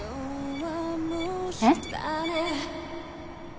えっ？